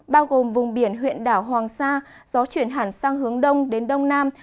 bao gồm vùng biển huyện đảo hoàng sa gió chuyển hẳn sang hướng đông đến đông nam